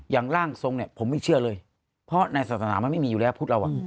ร่างทรงเนี่ยผมไม่เชื่อเลยเพราะในศาสนามันไม่มีอยู่แล้วพุทธเรา